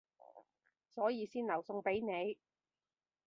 所以先留餸畀你